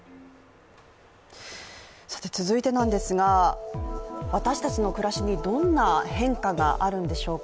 続いて、私たちの暮らしにどんな変化があるんでしょうか。